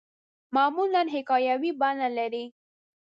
معمولاً حکایوي بڼه لري.